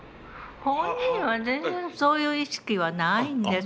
本人は全然そういう意識はないんですけど。